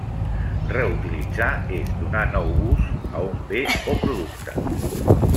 Reutilitzar és donar nou ús, a un bé o producte.